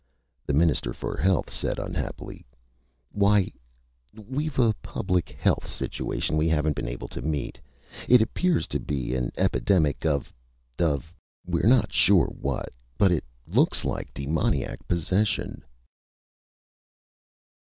The Minister for Health said unhappily: "Why ... we've a public health situation we haven't been able to meet. It appears to be an epidemic of ... of ... we're not sure what, but it looks like demoniac possession."